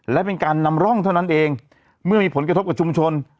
และเป็นการนำร่องเท่านั้นเองเมื่อมีผลกระทบกับชุมชน